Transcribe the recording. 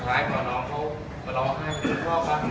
กระทั่งได้แต่ผมเชิญไปเลย